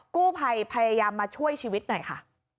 กู้ภัยพยายามมาช่วยชีวิตหน่อยค่ะ